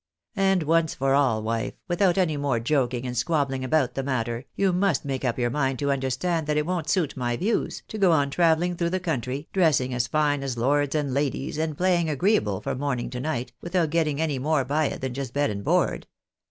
And once for all, wife, without any more joking and squabbling about the matter, you must make up your mind to understand that it won't suit my views, to go on traveUing through the country, dressing as fine as lords and ladies, and playing agreeable from morning to night, without getting any more by it than just bed and board.